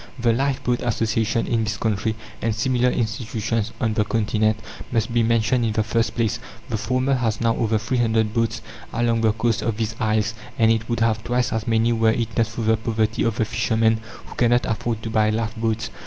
The Lifeboat Association in this country, and similar institutions on the Continent, must be mentioned in the first place. The former has now over three hundred boats along the coasts of these isles, and it would have twice as many were it not for the poverty of the fisher men, who cannot afford to buy lifeboats.